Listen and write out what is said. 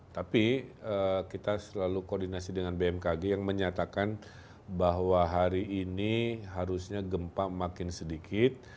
tapi kita selalu koordinasi dengan bmkg yang menyatakan bahwa hari ini harusnya gempa makin sedikit